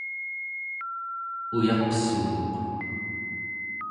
uyaqsuuq